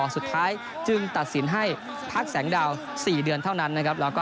สุดท้ายจึงตัดสินให้พักแสงดาว๔เดือนเท่านั้นแล้วก็ห้ามขึ้นชก